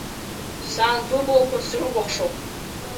Сан быблақәа срыкәыхшоуп.